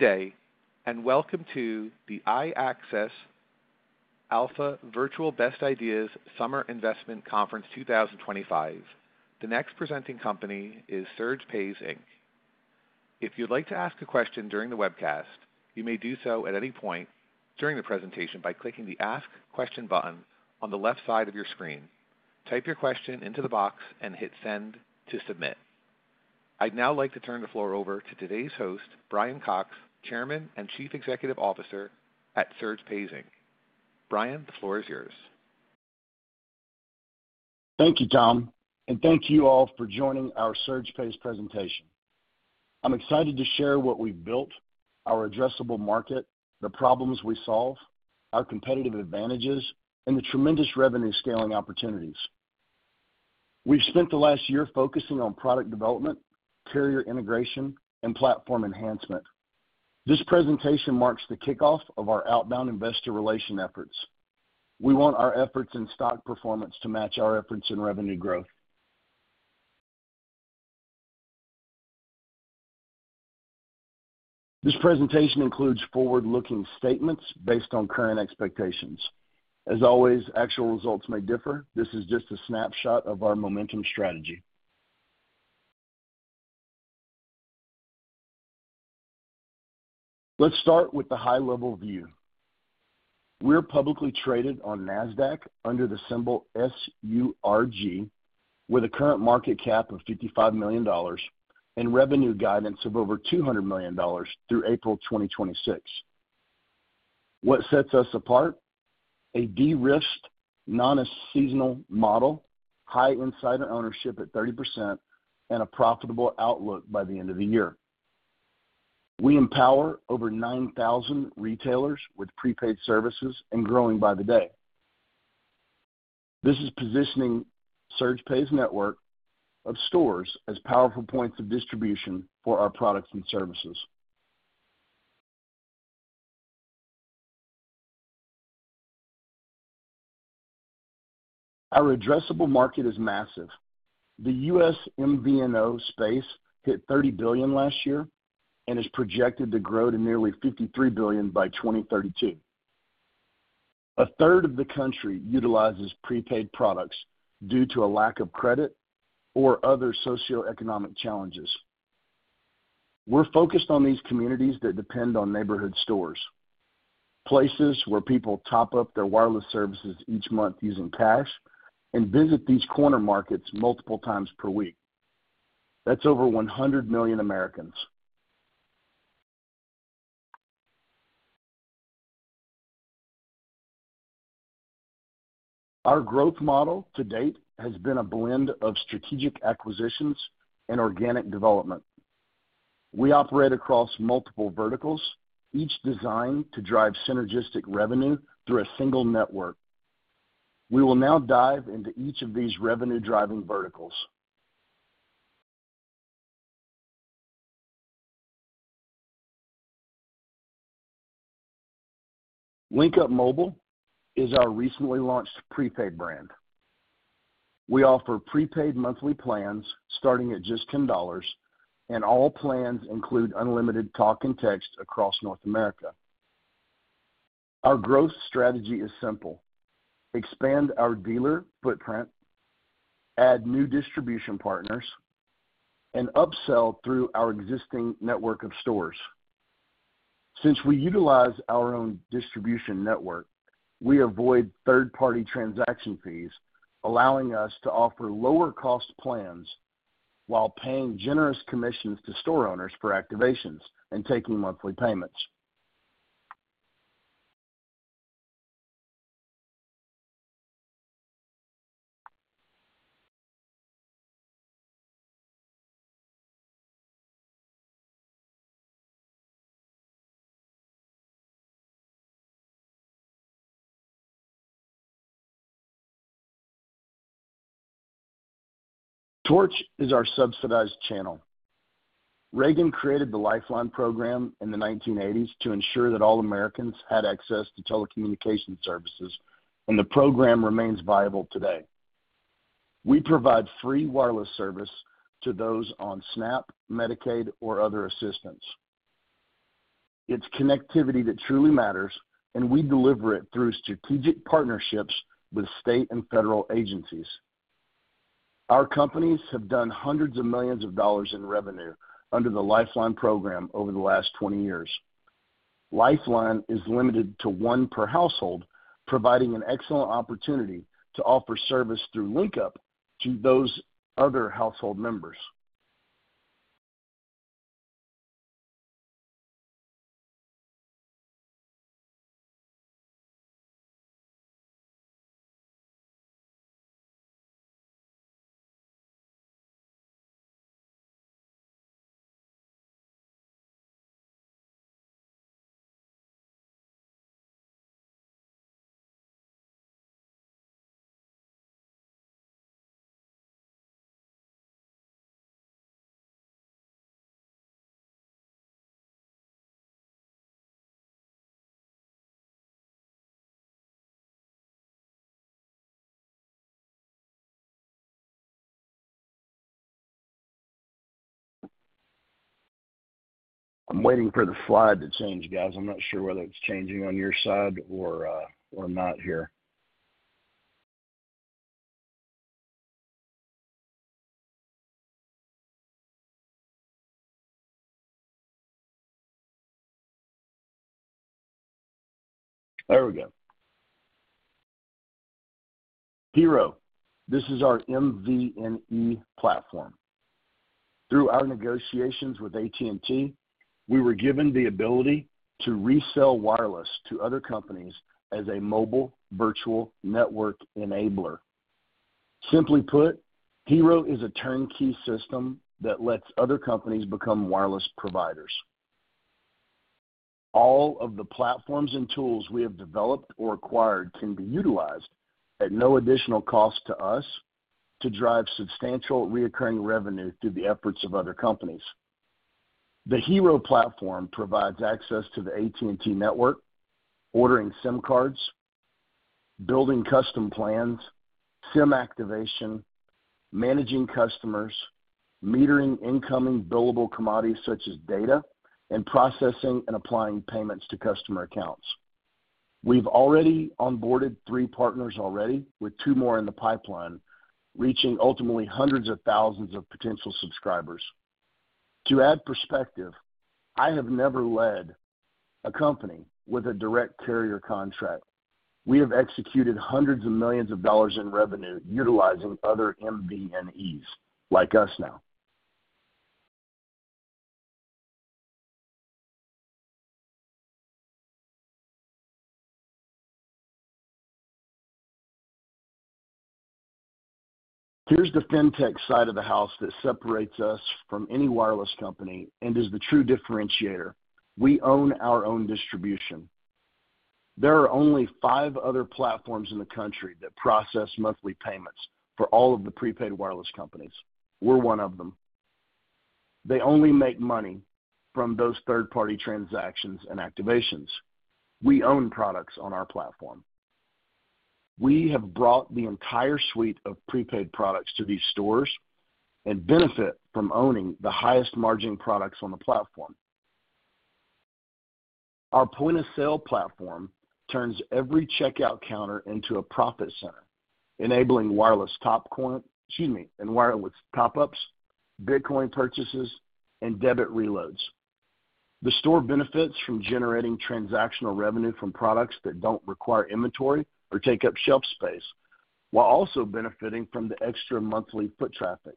Good day, and welcome to the iAccess Alpha Virtual Best Ideas Summer Investment Conference 2025. The next presenting company is SurgePays Inc.. If you'd like to ask a question during the webcast, you may do so at any point during the presentation by clicking the Ask Question button on the left side of your screen. Type your question into the box and hit Send to submit. I'd now like to turn the floor over to today's host, Brian Cox, Chairman and Chief Executive Officer at SurgePays Inc. Brian, the floor is yours. Thank you, Tom, and thank you all for joining our Surge Pays presentation. I'm excited to share what we've built, our addressable market, the problems we solve, our competitive advantages, and the tremendous revenue scaling opportunities. We've spent the last year focusing on product development, carrier integration, and platform enhancement. This presentation marks the kickoff of our outbound investor relation efforts. We want our efforts in stock performance to match our efforts in revenue growth. This presentation includes forward-looking statements based on current expectations. As always, actual results may differ. This is just a snapshot of our momentum strategy. Let's start with the high-level view. We're publicly traded on NASDAQ under the symbol SURG, with a current market cap of $55 million and revenue guidance of over $200 million through April 2026. What sets us apart? A de-risked, non-seasonal model, high insider ownership at 30%, and a profitable outlook by the end of the year. We empower over 9,000 retailers with prepaid services and growing by the day. This is positioning SurgePays' network of stores as powerful points of distribution for our products and services. Our addressable market is massive. The U.S. MVNO space hit $30 billion last year and is projected to grow to nearly $53 billion by 2032. A 1/3 of the country utilizes prepaid products due to a lack of credit or other socioeconomic challenges. We're focused on these communities that depend on neighborhood stores, places where people top up their wireless services each month using cash and visit these corner markets multiple times per week. That's over 100 million Americans. Our growth model to date has been a blend of strategic acquisitions and organic development. We operate across multiple verticals, each designed to drive synergistic revenue through a single network. We will now dive into each of these revenue-driving verticals. LinkUp Mobile is our recently launched prepaid brand. We offer prepaid monthly plans starting at just $10, and all plans include unlimited talk and text across North America. Our growth strategy is simple: expand our dealer footprint, add new distribution partners, and upsell through our existing network of stores. Since we utilize our own distribution network, we avoid third-party transaction fees, allowing us to offer lower-cost plans while paying generous commissions to store owners for activations and taking monthly payments. Torch is our subsidized channel. Reagan created the Lifeline program in the 1980s to ensure that all Americans had access to telecommunication services, and the program remains viable today. We provide free wireless service to those on SNAP, Medicaid, or other assistance. It's connectivity that truly matters, and we deliver it through strategic partnerships with state and federal agencies. Our companies have done hundreds of millions of dollars in revenue under the Lifeline program over the last 20 years. Lifeline is limited to one per household, providing an excellent opportunity to offer service through LinkUp to those other household members. I'm waiting for the slide to change, guys. I'm not sure whether it's changing on your side or not here. There we go. Hero, this is our MVNE platform. Through our negotiations with AT&T, we were given the ability to resell wireless to other companies as a mobile virtual network enabler. Simply put, HERO is a turnkey system that lets other companies become wireless providers. All of the platforms and tools we have developed or acquired can be utilized at no additional cost to us to drive substantial recurring revenue through the efforts of other companies. The Hero platform provides access to the AT&T network, ordering SIM cards, building custom plans, SIM activation, managing customers, metering incoming billable commodities such as data, and processing and applying payments to customer accounts. We've already onboarded three partners, with two more in the pipeline, reaching ultimately hundreds of thousands of potential subscribers. To add perspective, I have never led a company with a direct carrier contract. We have executed hundreds of millions of dollars in revenue utilizing other MVNEs like us now. Here is the fintech side of the house that separates us from any wireless company and is the true differentiator. We own our own distribution. There are only five other platforms in the country that process monthly payments for all of the prepaid wireless companies. We are one of them. They only make money from those third-party transactions and activations. We own products on our platform. We have brought the entire suite of prepaid products to these stores and benefit from owning the highest margin products on the platform. Our point-of-sale platform turns every checkout counter into a profit center, enabling wireless top-ups, Bitcoin purchases, and debit reloads. The store benefits from generating transactional revenue from products that do not require inventory or take up shelf space while also benefiting from the extra monthly foot traffic.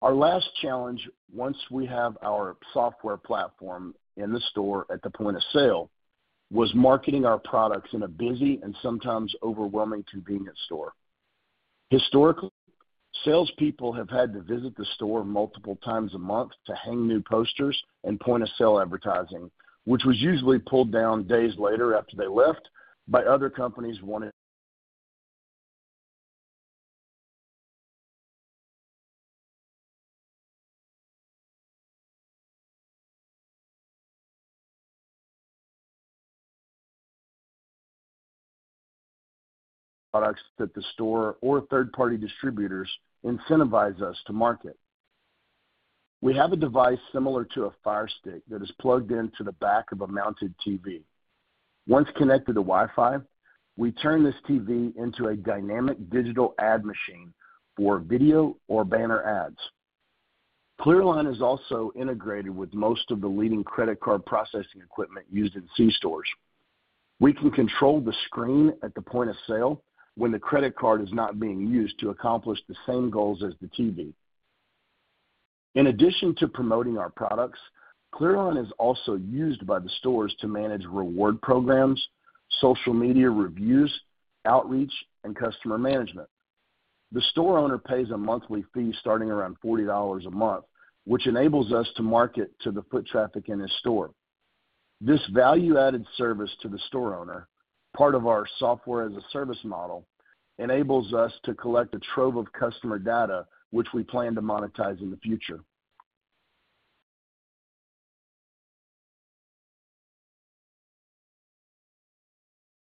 Our last challenge once we have our software platform in the store at the point of sale was marketing our products in a busy and sometimes overwhelming convenience store. Historically, salespeople have had to visit the store multiple times a month to hang new posters and point-of-sale advertising, which was usually pulled down days later after they left by other companies wanting products that the store or third-party distributors incentivize us to market. We have a device similar to a fire stick that is plugged into the back of a mounted TV. Once connected to Wi-Fi, we turn this TV into a dynamic digital ad machine for video or banner ads. ClearLine is also integrated with most of the leading credit card processing equipment used in C stores. We can control the screen at the point of sale when the credit card is not being used to accomplish the same goals as the TV. In addition to promoting our products, ClearLine is also used by the stores to manage reward programs, social media reviews, outreach, and customer management. The store owner pays a monthly fee starting around $40 a month, which enables us to market to the foot traffic in his store. This value-added service to the store owner, part of our software as a service model, enables us to collect a trove of customer data, which we plan to monetize in the future.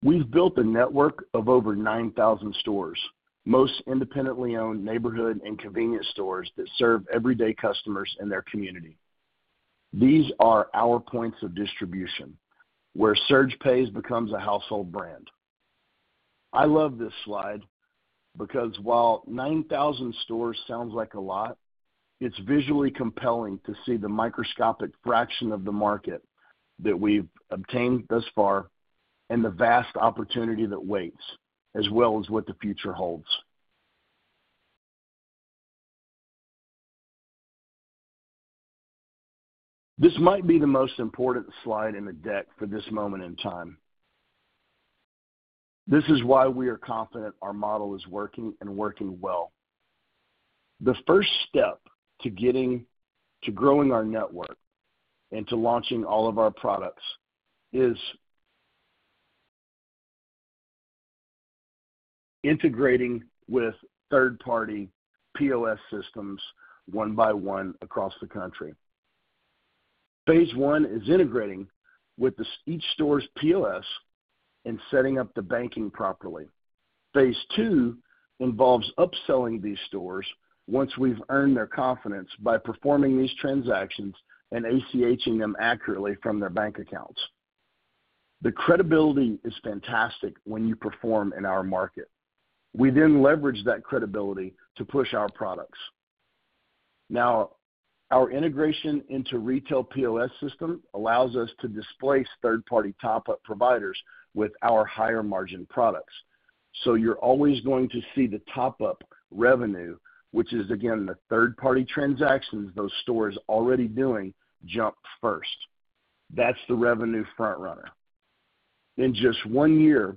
We've built a network of over 9,000 stores, most independently owned neighborhood and convenience stores that serve everyday customers in their community. These are our points of distribution, where Surge Pays becomes a household brand. I love this slide because while 9,000 stores sounds like a lot, it is visually compelling to see the microscopic fraction of the market that we have obtained thus far and the vast opportunity that waits, as well as what the future holds. This might be the most important slide in the deck for this moment in time. This is why we are confident our model is working and working well. The first step to growing our network and to launching all of our products is integrating with third-party POS systems one by one across the country. Phase one is integrating with each store's POS and setting up the banking properly. Phase two involves upselling these stores once we have earned their confidence by performing these transactions and ACH-ing them accurately from their bank accounts. The credibility is fantastic when you perform in our market. We then leverage that credibility to push our products. Now, our integration into retail POS system allows us to displace third-party top-up providers with our higher margin products. You're always going to see the top-up revenue, which is, again, the third-party transactions those stores are already doing, jump first. That's the revenue front-runner. In just one year,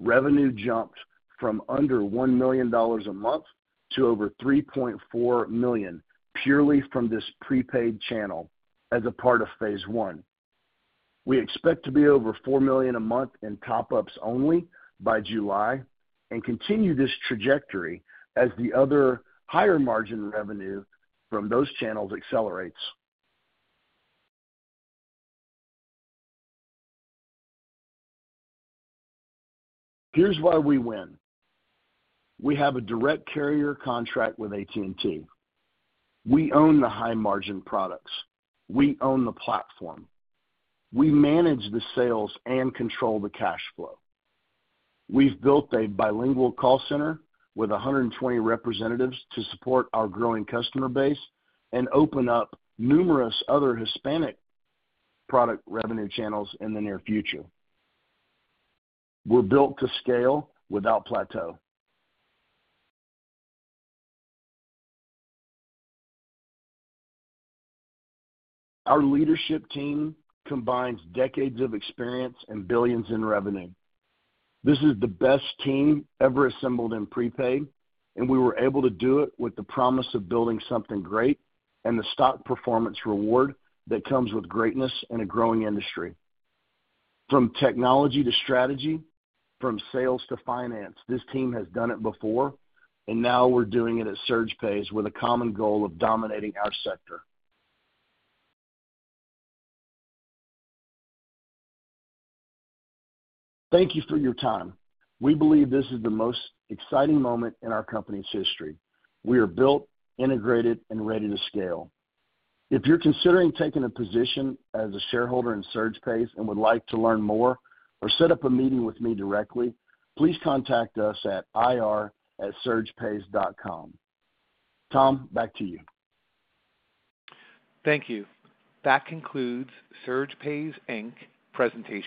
revenue jumped from under $1 million a month to over $3.4 million purely from this prepaid channel as a part of phase I. We expect to be over $4 million a month in top-ups only by July and continue this trajectory as the other higher margin revenue from those channels accelerates. Here's why we win. We have a direct carrier contract with AT&T. We own the high-margin products. We own the platform. We manage the sales and control the cash flow. We've built a bilingual call center with 120 representatives to support our growing customer base and open up numerous other Hispanic product revenue channels in the near future. We're built to scale without plateau. Our leadership team combines decades of experience and billions in revenue. This is the best team ever assembled in prepaid, and we were able to do it with the promise of building something great and the stock performance reward that comes with greatness in a growing industry. From technology to strategy, from sales to finance, this team has done it before, and now we're doing it at SurgePays with a common goal of dominating our sector. Thank you for your time. We believe this is the most exciting moment in our company's history. We are built, integrated, and ready to scale. If you're considering taking a position as a shareholder in SurgePays and would like to learn more or set up a meeting with me directly, please contact us at ir@surgepays.com. Tom, back to you. Thank you. That concludes SurgePays Inc. presentation.